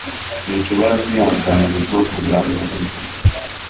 sinshobora kwihanganira ubwoko bwa firime